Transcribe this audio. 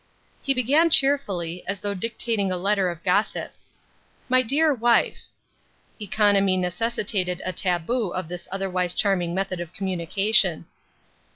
He began cheerily, as though dictating a letter of gossip: "My dear wife " Economy necessitated a taboo of this otherwise charming method of communication.